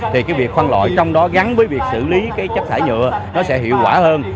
thì cái việc phân loại trong đó gắn với việc xử lý cái chất thải nhựa nó sẽ hiệu quả hơn